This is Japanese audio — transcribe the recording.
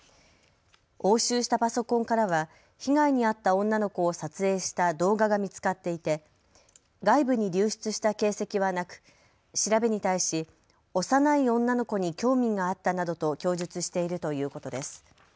押収したパソコンからは被害に遭った女の子を撮影した動画が見つかっていて外部に流出した形跡はなく調べに対し幼い女の子に興味があったなどと供述しているということです。